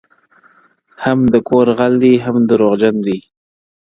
هم د کور غل دی هم دروغجن دی -